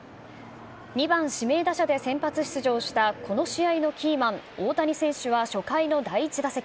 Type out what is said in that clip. ２番指名打者で先発出場したこの試合のキーマン、大谷選手は初回の第１打席。